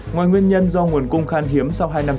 ngoài nguyên nhân do nguồn cung khan hiếm sau hai năm dịch bệnh